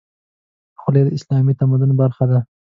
خولۍ د اسلامي تمدن برخه ده.